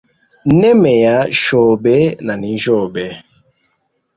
Nemeya shobe na ninjyobe.